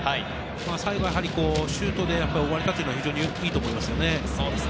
最後はシュートで終われたというのは非常にいいと思います。